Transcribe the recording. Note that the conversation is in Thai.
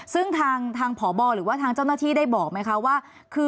ซึ่งทางพบหรือว่าทางเจ้าหน้าที่ได้บอกไหมคะว่า